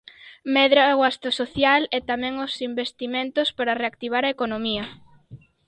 Medra o gasto social e tamén os investimentos para reactivar a economía.